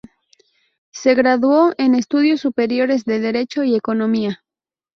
Se graduó en estudios superiores de derecho y economía.